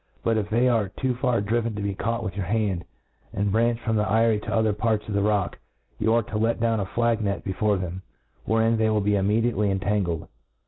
But, if they arfe too far driven to be caught with your hand,, and branch from the eyrie to other parts of the rock, you are to let down a flag net before them, wherein they will be immediately in tarigled.